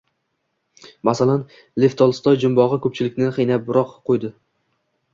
Masalan, Lev Tolstoy jumbogʻi koʻpchilikni qiynabroq qoʻydi